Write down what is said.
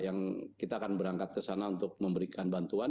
yang kita akan berangkat kesana untuk memberikan bantuan